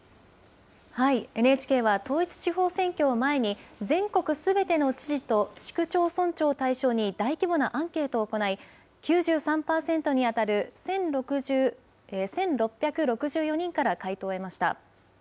ＮＨＫは統一地方選挙を前に、全国すべての知事と市区町村長を対象に、大規模なアンケートを行い、９３％に当たる１６６４人から回答を得ました。